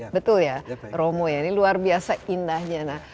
betul ya romo ya ini luar biasa indahnya